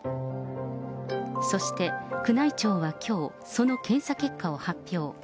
そして、宮内庁はきょう、その検査結果を発表。